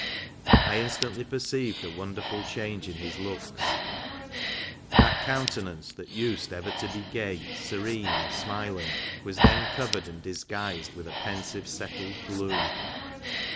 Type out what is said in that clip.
I instantly perceived a wonderful change in his looks : that countenance which used ever to be gay, serene, or smiling, was then covered, or disguised with a pensive, settled gloom.